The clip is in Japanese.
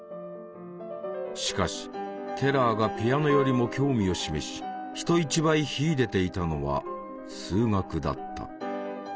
しかしテラーがピアノよりも興味を示し人一倍秀でていたのは数学だった。